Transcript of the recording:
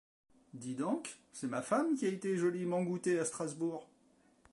Dites donc, c’est ma femme qui a été joliment goûtée à Strasbourg !